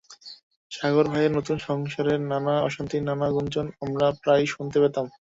সাগর ভাইয়ের নতুন সংসারের নানা অশান্তির নানা গুঞ্জনও আমরা প্রায়ই শুনতে পেতাম।